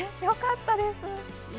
よかったです！